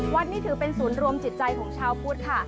วัดนี้ถือเป็นศูนย์รวมจิตใจของชาวพุทธค่ะ